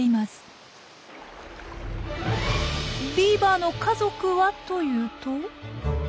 ビーバーの家族はというと。